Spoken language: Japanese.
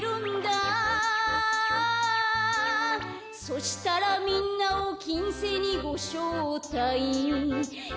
「そしたらみんなをきんせいにごしょうたいんいんん」